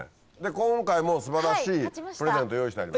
今回も素晴らしいプレゼント用意してあります。